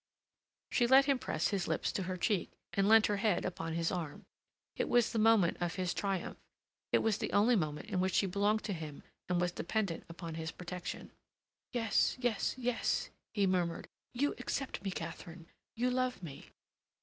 She let him press his lips to her cheek, and leant her head upon his arm. It was the moment of his triumph. It was the only moment in which she belonged to him and was dependent upon his protection. "Yes, yes, yes," he murmured, "you accept me, Katharine. You love me."